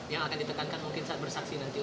yang akan ditekankan mungkin saat bersaksi nanti